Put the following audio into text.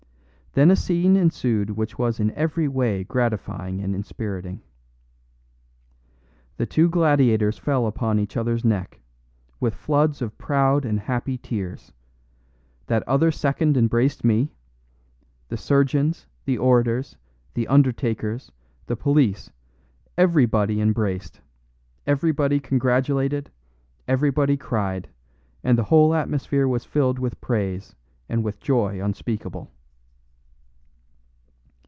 Then a scene ensued which was in every way gratifying and inspiriting. The two gladiators fell upon each other's neck, with floods of proud and happy tears; that other second embraced me; the surgeons, the orators, the undertakers, the police, everybody embraced, everybody congratulated, everybody cried, and the whole atmosphere was filled with praise and with joy unspeakable.